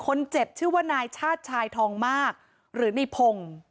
คนเจ็บชื่อว่านายชาติชายทองมากหรือในพงศ์